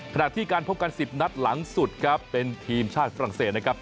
ขณะที่การพบกัน๑๐นัดหลังสุดครับเป็นทีมชาติฝรั่งเศสนะครับ